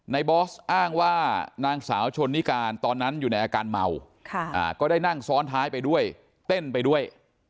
บอสอ้างว่านางสาวชนนิการตอนนั้นอยู่ในอาการเมาก็ได้นั่งซ้อนท้ายไปด้วยเต้นไปด้วย